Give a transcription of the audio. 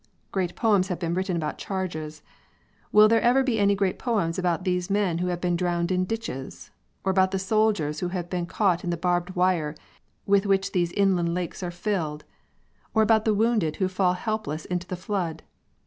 Great poems have been written about charges. Will there ever be any great poems about these men who have been drowned in ditches? Or about the soldiers who have been caught in the barbed wire with which these inland lakes are filled? Or about the wounded who fall helpless into the flood?